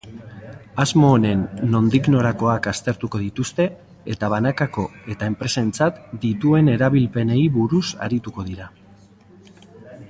Asmo honen nondiknorakoak aztertuko dituzte eta banakako eta enpresentzat dituenerabilpenei buruz arituko dira.